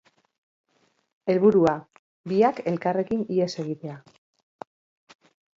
Helburua: biak elkarrekin ihes egitea.